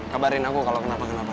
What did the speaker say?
kabarin aku kalau kenapa kenapa